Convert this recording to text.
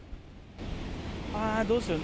ああ、どうしよう。